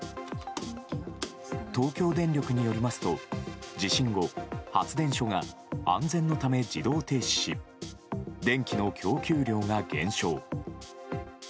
東京電力によりますと地震後、発電所が安全のため自動停止し電気の供給量が減少。